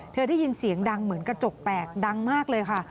ได้ยินเสียงดังเหมือนกระจกแตกดังมากเลยค่ะ